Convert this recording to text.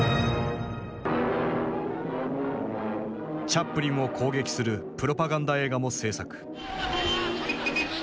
チャップリンを攻撃するプロパガンダ映画も製作。